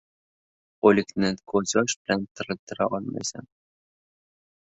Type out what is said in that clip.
• O‘likni ko‘z yosh bilan tiriltirolmaysan.